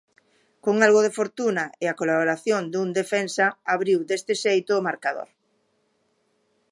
Con algo de fortuna e a colaboración dun defensa abriu deste xeito o marcador.